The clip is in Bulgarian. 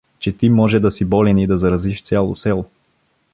Че ти може да си болен и да заразиш цяло село.